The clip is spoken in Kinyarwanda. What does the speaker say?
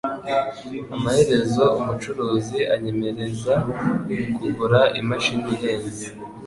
Amaherezo umucuruzi anyemeza kugura imashini ihenze